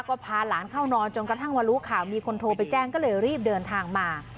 ก็พาหลานเข้านอนจนกระทั่งมารู้ข่าวมีคนโทรไปแจ้งก็เลยรีบเดินทางมา